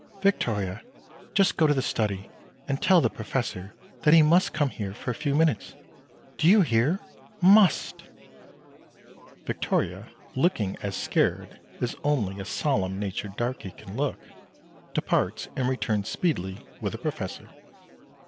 Victoria, just go to the study, and tell the Professor that he must come here for a few minutes. Do you hear must!" Victoria, looking as scared as only a solemn natured darky can look, departs, and returns speedily with the Professor.